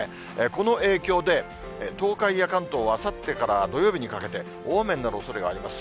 この影響で、東海や関東は、あさってから土曜日にかけて、大雨になるおそれがあります。